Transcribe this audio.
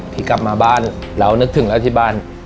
ที่กลับมาบ้านเรานึกถึงแล้วที่บ้าน